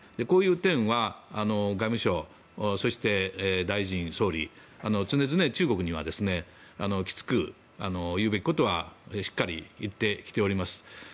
こういう点は外務省そして大臣、総理常々、中国にはきつく言うべきことはしっかり言ってきております。